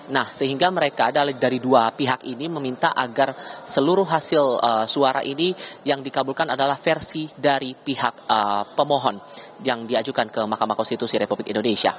nah sehingga mereka dari dua pihak ini meminta agar seluruh hasil suara ini yang dikabulkan adalah versi dari pihak pemohon yang diajukan ke mahkamah konstitusi republik indonesia